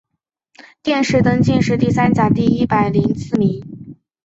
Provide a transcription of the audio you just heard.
殿试登进士第三甲第一百零四名。